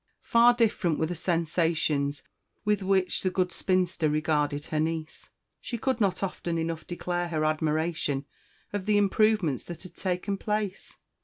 Far different were the sensations with which the good spinster regarded her niece. She could not often enough declare her admiration of the improvements that had taken place.